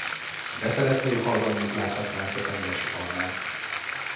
De szeretném, ha az anyjuk láthatná ezt a tenger sok almát!